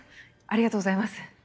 ありがとうございます。